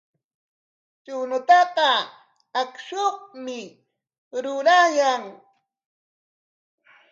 Chuñutaqa akshupikmi rurayan.